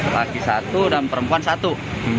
laki satu dan perempuan satu